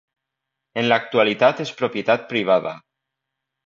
En l'actualitat és propietat privada.